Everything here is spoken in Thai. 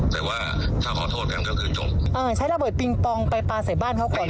แต่ว่าถ้าขอโทษกันก็คือจบเอ่อใช้ระเบิดปิงปองไปปลาใส่บ้านเขาก่อน